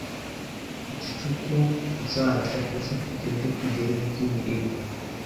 gicuku uzajya uza tugende tugere y’imilima